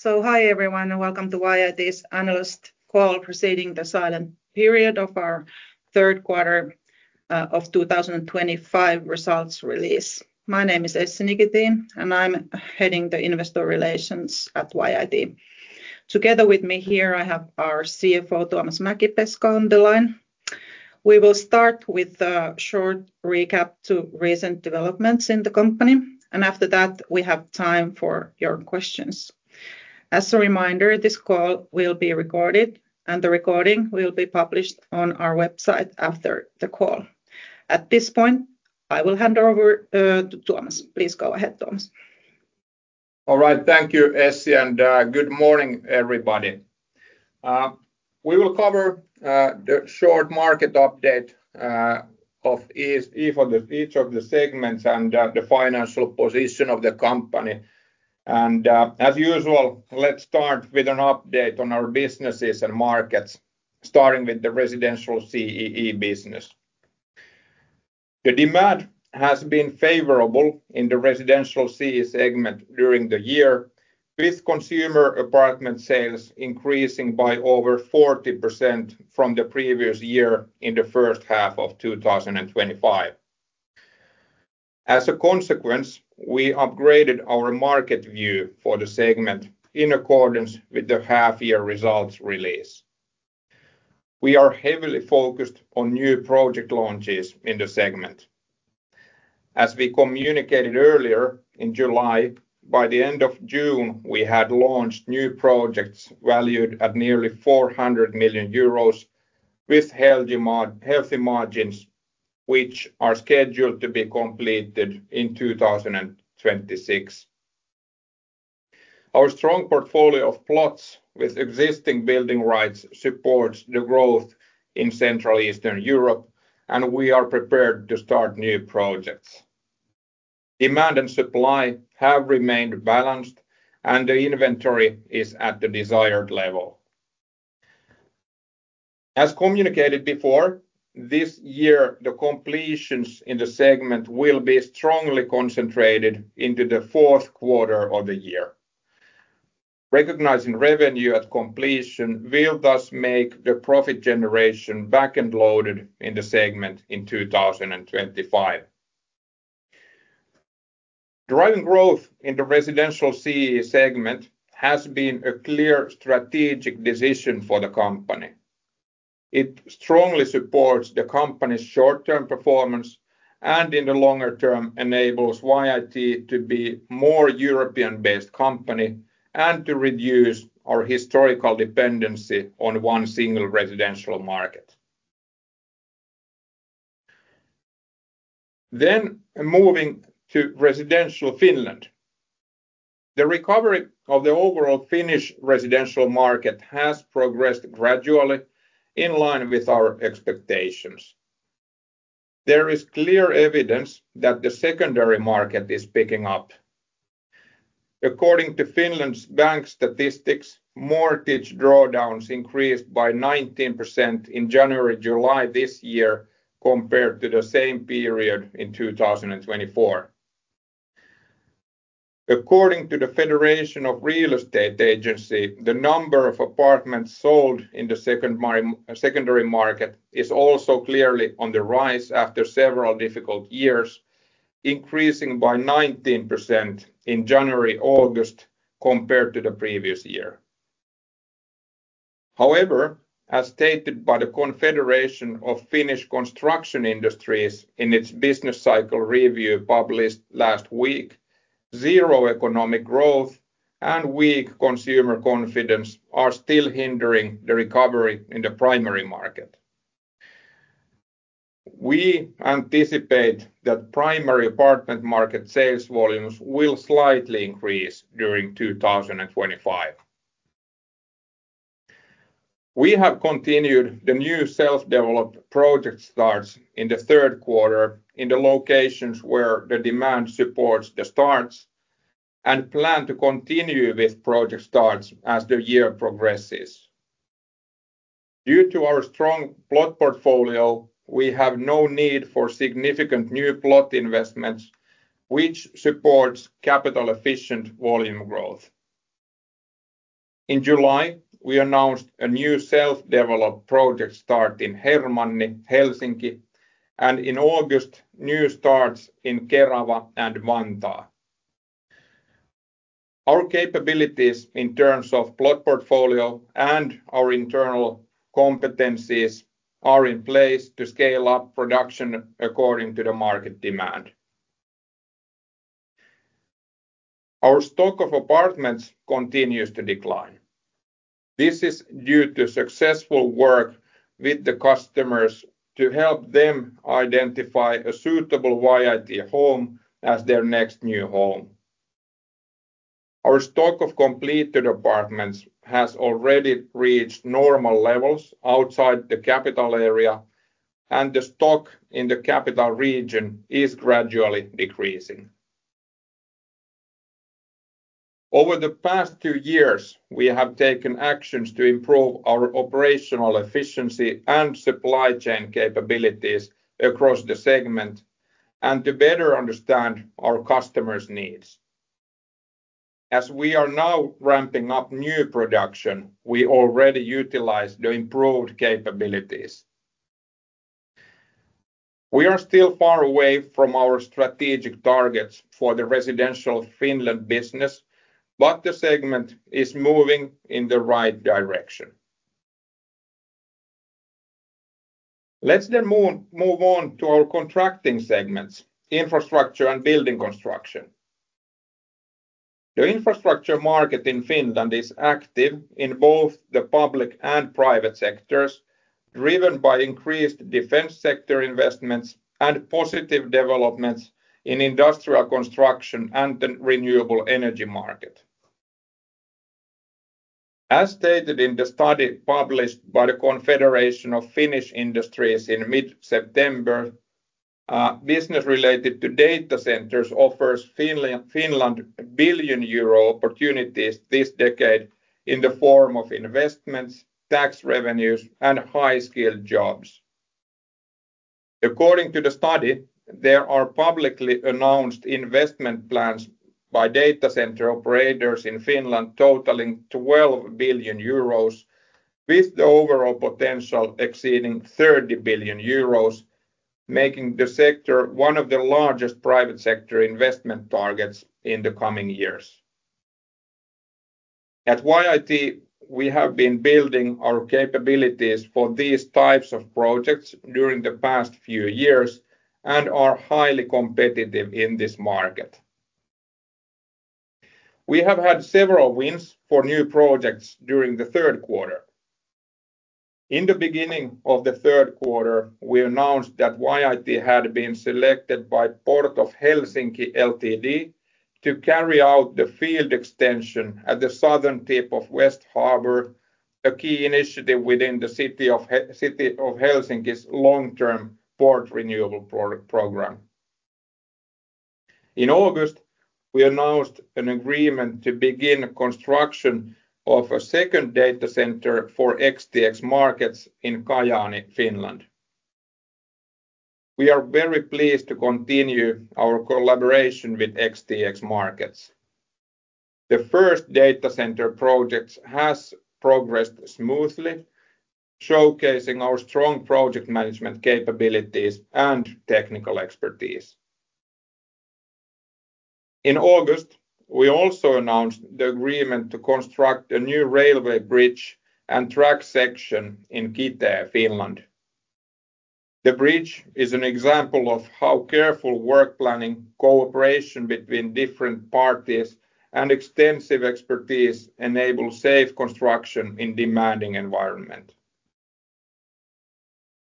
So hi everyone and welcome to YIT's analyst call preceding the silent period of our third quarter of 2025 results release. My name is Essi Nikitin and I'm heading the investor relations at YIT. Together with me here I have our CFO, Tuomas Mäkipeska, on the line. We will start with a short recap of recent developments in the company, and after that we have time for your questions. As a reminder, this call will be recorded and the recording will be published on our website after the call. At this point, I will hand over to Tuomas. Please go ahead, Tuomas. All right, thank you, Essi, and good morning everybody. We will cover the short market update of each of the segments and the financial position of the company. As usual, let's start with an update on our businesses and markets, starting with the Residential CEE business. The demand has been favorable in the Residential CEE segment during the year, with consumer apartment sales increasing by over 40% from the previous year in the first half of 2025. As a consequence, we upgraded our market view for the segment in accordance with the half-year results release. We are heavily focused on new project launches in the segment. As we communicated earlier in July, by the end of June we had launched new projects valued at nearly 400 million euros with healthy margins, which are scheduled to be completed in 2026. Our strong portfolio of plots with existing building rights supports the growth in Central and Eastern Europe, and we are prepared to start new projects. Demand and supply have remained balanced, and the inventory is at the desired level. As communicated before, this year the completions in the segment will be strongly concentrated into the fourth quarter of the year. Recognizing revenue at completion will thus make the profit generation back-end loaded in the segment in 2025. Driving growth in the Residential CEE segment has been a clear strategic decision for the company. It strongly supports the company's short-term performance and in the longer term enables YIT to be a more European-based company and to reduce our historical dependency on one single residential market. Then moving to Residential Finland. The recovery of the overall Finnish residential market has progressed gradually in line with our expectations. There is clear evidence that the secondary market is picking up. According to Finland's bank statistics, mortgage drawdowns increased by 19% in January-July this year compared to the same period in 2024. According to the Federation of Real Estate Agency, the number of apartments sold in the secondary market is also clearly on the rise after several difficult years, increasing by 19% in January-August compared to the previous year. However, as stated by the Confederation of Finnish Construction Industries in its business cycle review published last week, zero economic growth and weak consumer confidence are still hindering the recovery in the primary market. We anticipate that primary apartment market sales volumes will slightly increase during 2025. We have continued the new self-developed project starts in the third quarter in the locations where the demand supports the starts and plan to continue with project starts as the year progresses. Due to our strong plot portfolio, we have no need for significant new plot investments, which supports capital-efficient volume growth. In July, we announced a new self-developed project start in Hermanni, Helsinki, and in August, new starts in Kerava and Vantaa. Our capabilities in terms of plot portfolio and our internal competencies are in place to scale up production according to the market demand. Our stock of apartments continues to decline. This is due to successful work with the customers to help them identify a suitable YIT home as their next new home. Our stock of completed apartments has already reached normal levels outside the capital area, and the stock in the capital region is gradually decreasing. Over the past two years, we have taken actions to improve our operational efficiency and supply chain capabilities across the segment and to better understand our customers' needs. As we are now ramping up new production, we already utilize the improved capabilities. We are still far away from our strategic targets for the Residential Finland business, but the segment is moving in the right direction. Let's then move on to our contracting segments, Infrastructure and Building Construction. The infrastructure market in Finland is active in both the public and private sectors, driven by increased defense sector investments and positive developments in industrial construction and the renewable energy market. As stated in the study published by the Confederation of Finnish Industries in mid-September, business related to data centers offers Finland billion-euro opportunities this decade in the form of investments, tax revenues, and high-skilled jobs. According to the study, there are publicly announced investment plans by data center operators in Finland totaling 12 billion euros, with the overall potential exceeding 30 billion euros, making the sector one of the largest private sector investment targets in the coming years. At YIT, we have been building our capabilities for these types of projects during the past few years and are highly competitive in this market. We have had several wins for new projects during the third quarter. In the beginning of the third quarter, we announced that YIT had been selected by Port of Helsinki Ltd to carry out the field extension at the southern tip of West Harbor, a key initiative within the City of Helsinki's long-term port renewal program. In August, we announced an agreement to begin construction of a second data center for XTX Markets in Kajaani, Finland. We are very pleased to continue our collaboration with XTX Markets. The first data center project has progressed smoothly, showcasing our strong project management capabilities and technical expertise. In August, we also announced the agreement to construct a new railway bridge and track section in Kitee, Finland. The bridge is an example of how careful work planning, cooperation between different parties, and extensive expertise enable safe construction in a demanding environment.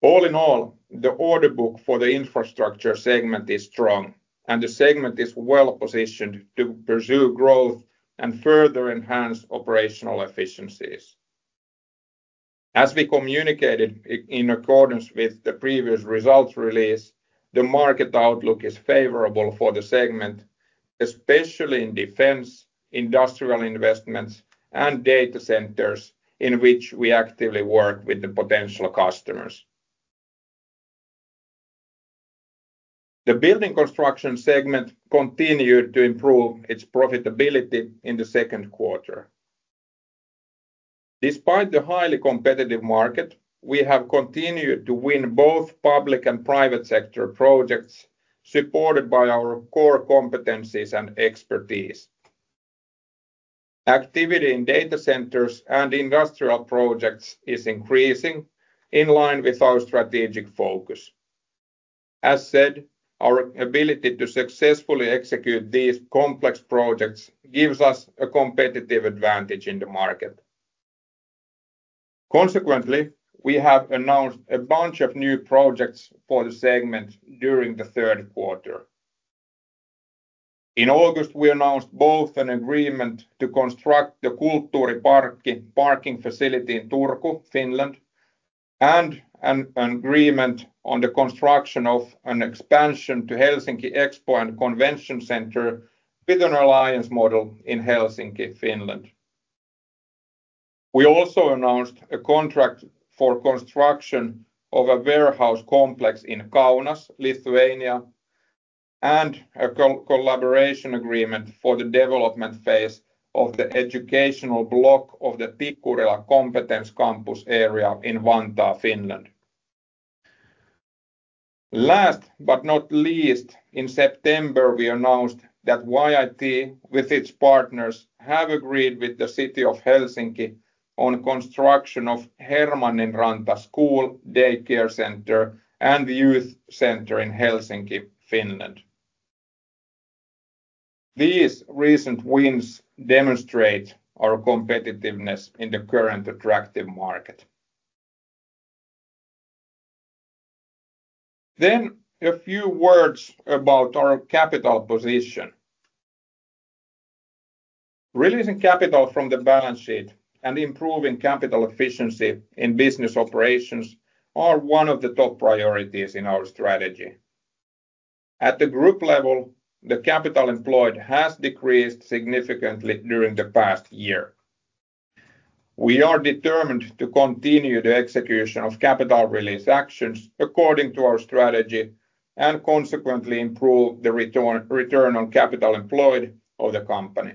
All in all, the order book for the Infrastructure segment is strong, and the segment is well positioned to pursue growth and further enhance operational efficiencies. As we communicated in accordance with the previous results release, the market outlook is favorable for the segment, especially in defense, industrial investments, and data centers in which we actively work with the potential customers. The Building Construction segment continued to improve its profitability in the second quarter. Despite the highly competitive market, we have continued to win both public and private sector projects supported by our core competencies and expertise. Activity in data centers and industrial projects is increasing in line with our strategic focus. As said, our ability to successfully execute these complex projects gives us a competitive advantage in the market. Consequently, we have announced a bunch of new projects for the segment during the third quarter. In August, we announced both an agreement to construct the Kulttuuriparkki parking facility in Turku, Finland, and an agreement on the construction of an expansion to Helsinki Expo and Convention Center with an alliance model in Helsinki, Finland. We also announced a contract for construction of a warehouse complex in Kaunas, Lithuania, and a collaboration agreement for the development phase of the educational block of the Tikkurila Competence Campus area in Vantaa, Finland. Last but not least, in September, we announced that YIT with its partners have agreed with the City of Helsinki on construction of Hermanninranta School, Daycare Center, and Youth Center in Helsinki, Finland. These recent wins demonstrate our competitiveness in the current attractive market. Then a few words about our capital position. Releasing capital from the balance sheet and improving capital efficiency in business operations are one of the top priorities in our strategy. At the group level, the capital employed has decreased significantly during the past year. We are determined to continue the execution of capital release actions according to our strategy and consequently improve the return on capital employed of the company.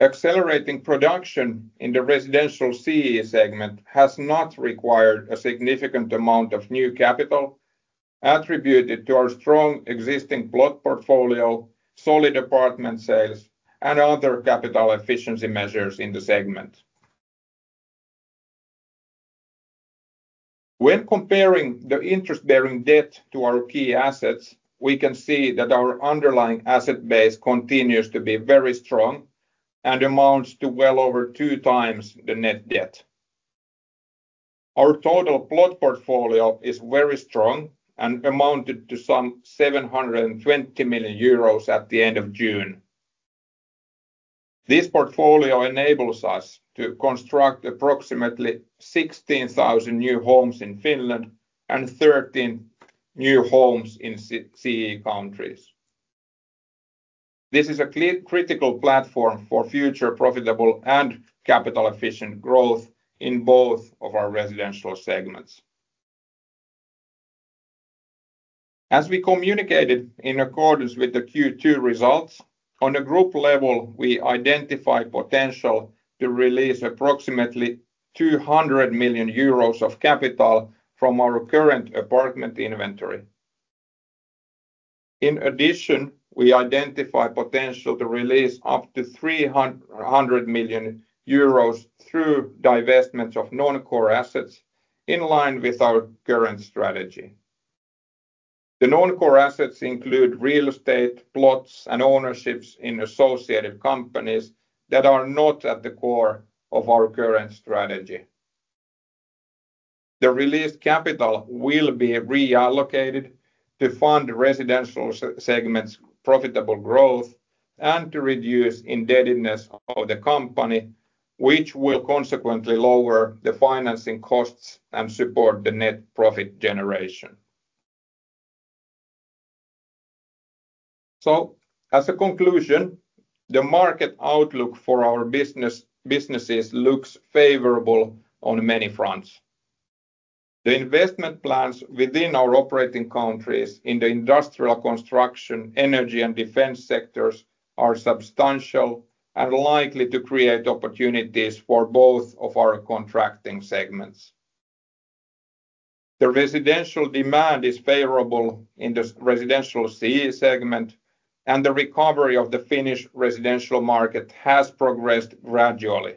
Accelerating production in the Residential CEE segment has not required a significant amount of new capital attributed to our strong existing plot portfolio, solid apartment sales, and other capital efficiency measures in the segment. When comparing the interest-bearing debt to our key assets, we can see that our underlying asset base continues to be very strong and amounts to well over two times the net debt. Our total plot portfolio is very strong and amounted to some 720 million euros at the end of June. This portfolio enables us to construct approximately 16,000 new homes in Finland and 13 new homes in CEE countries. This is a critical platform for future profitable and capital-efficient growth in both of our residential segments. As we communicated in accordance with the Q2 results, on the group level, we identify potential to release approximately 200 million euros of capital from our current apartment inventory. In addition, we identify potential to release up to 300 million euros through divestments of non-core assets in line with our current strategy. The non-core assets include real estate, plots, and ownerships in associated companies that are not at the core of our current strategy. The released capital will be reallocated to fund residential segments' profitable growth and to reduce indebtedness of the company, which will consequently lower the financing costs and support the net profit generation. So, as a conclusion, the market outlook for our businesses looks favorable on many fronts. The investment plans within our operating countries in the industrial construction, energy, and defense sectors are substantial and likely to create opportunities for both of our contracting segments. The residential demand is favorable in the Residential CEE segment, and the recovery of the Finnish residential market has progressed gradually.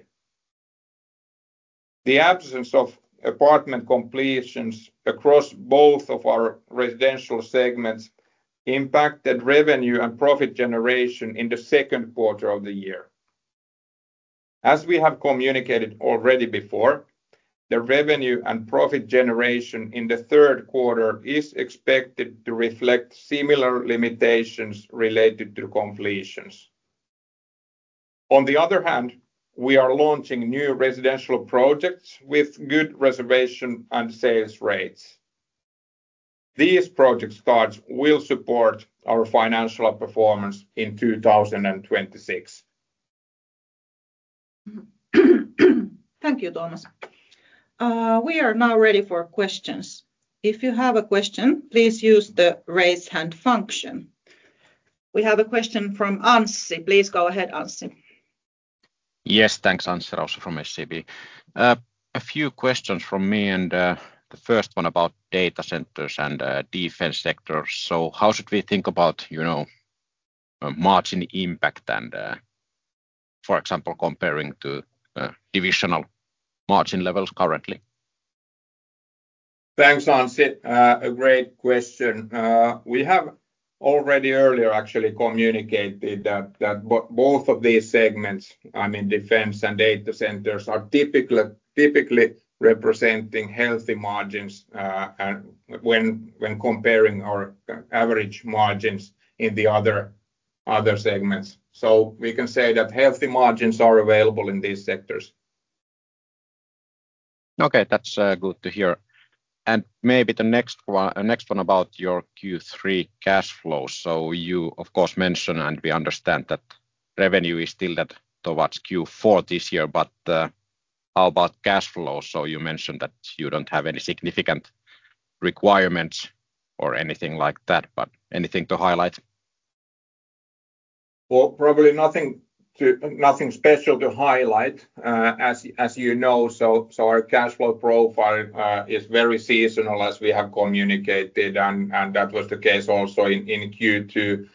The absence of apartment completions across both of our residential segments impacted revenue and profit generation in the second quarter of the year. As we have communicated already before, the revenue and profit generation in the third quarter is expected to reflect similar limitations related to completions. On the other hand, we are launching new residential projects with good reservation and sales rates. These project starts will support our financial performance in 2026. Thank you, Tuomas. We are now ready for questions. If you have a question, please use the raise hand function. We have a question from Anssi. Please go ahead, Anssi. Yes, thanks. Anssi Raussi from SEB. A few questions from me, and the first one about data centers and defense sectors. So how should we think about margin impact and, for example, comparing to divisional margin levels currently? Thanks, Anssi. A great question. We have already earlier actually communicated that both of these segments, I mean defense and data centers, are typically representing healthy margins when comparing our average margins in the other segments. So we can say that healthy margins are available in these sectors. Okay, that's good to hear. And maybe the next one about your Q3 cash flow. So you, of course, mentioned, and we understand that revenue is still towards Q4 this year, but how about cash flow? So you mentioned that you don't have any significant requirements or anything like that, but anything to highlight? Well, probably nothing special to highlight, as you know. So our cash flow profile is very seasonal, as we have communicated, and that was the case also in Q2.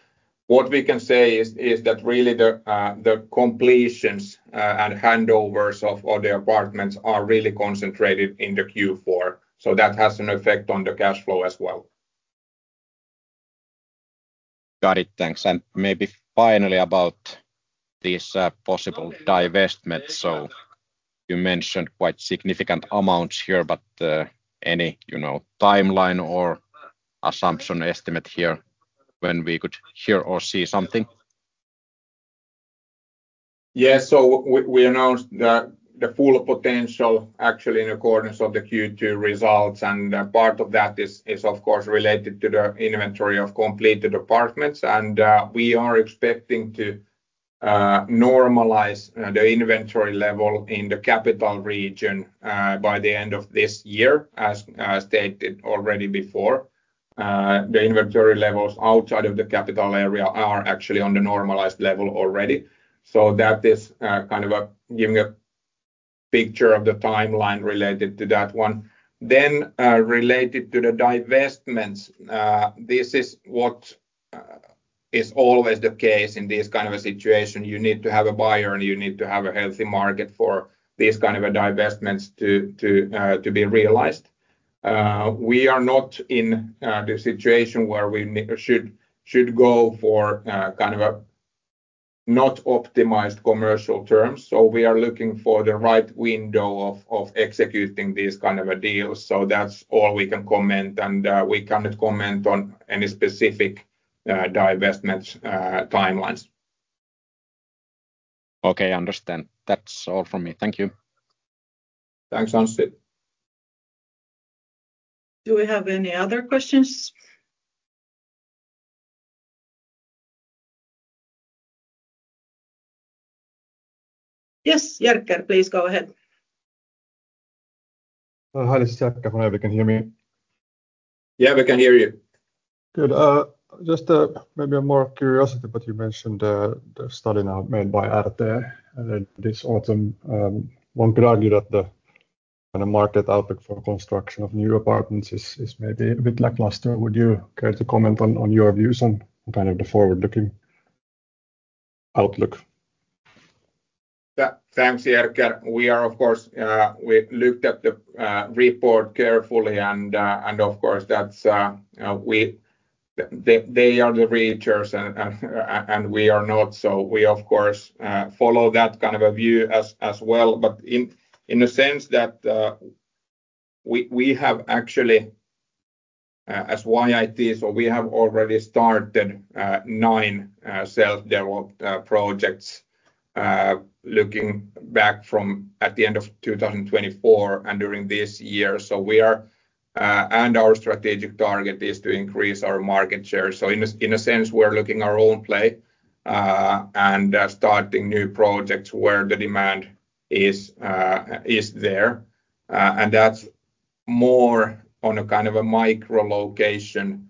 What we can say is that really the completions and handovers of the apartments are really concentrated in the Q4. So that has an effect on the cash flow as well. Got it, thanks. And maybe finally about these possible divestments. So you mentioned quite significant amounts here, but any timeline or assumption estimate here when we could hear or see something? Yes, so we announced the full potential actually in accordance of the Q2 results, and part of that is, of course, related to the inventory of completed apartments. And we are expecting to normalize the inventory level in the capital region by the end of this year, as stated already before. The inventory levels outside of the capital area are actually on the normalized level already. So that is kind of giving a picture of the timeline related to that one. Then, related to the divestments, this is what is always the case in this kind of a situation. You need to have a buyer, and you need to have a healthy market for this kind of divestments to be realized. We are not in the situation where we should go for kind of not optimized commercial terms. So we are looking for the right window of executing these kind of deals. So that's all we can comment, and we cannot comment on any specific divestment timelines. Okay, understand. That's all from me. Thank you. Thanks, Anssi. Do we have any other questions? Yes, Jerker, please go ahead. Hi, this is Jerker. Can you hear me? Yeah, we can hear you. Good. Just maybe a more curiosity about you mentioned the study now made by RT this autumn. One could argue that the market outlook for construction of new apartments is maybe a bit lackluster. Would you care to comment on your views on kind of the forward-looking outlook? Thanks, Jerker. We are, of course, we looked at the report carefully, and of course, that's, they are the researchers, and we are not. So we, of course, follow that kind of view as well, but in the sense that we have actually, as YIT, so we have already started nine self-developed projects looking back from the end of 2024 and during this year. So we are, and our strategic target is to increase our market share. So in a sense, we're making our own play and starting new projects where the demand is there. And that's more on a kind of a micro-location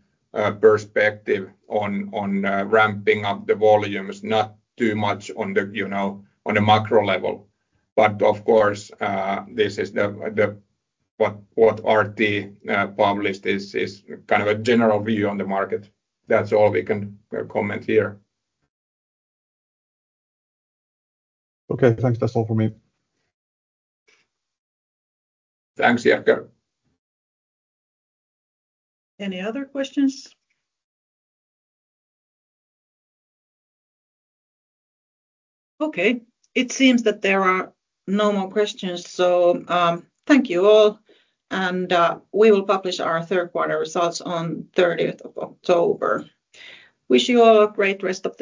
perspective on ramping up the volumes, not too much on the macro level. But of course, this is what RT published is kind of a general view on the market. That's all we can comment here. Okay, thanks. That's all from me. Thanks, Jerker. Any other questions? Okay, it seems that there are no more questions. So thank you all, and we will publish our third quarter results on 30th of October. Wish you all a great rest of the day.